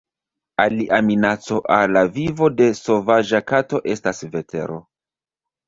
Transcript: Alia minaco al la vivo de sovaĝa kato estas vetero.